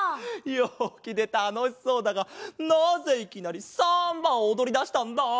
ようきでたのしそうだがなぜいきなりサンバをおどりだしたんだ？